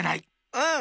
うん！